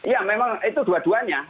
ya memang itu dua duanya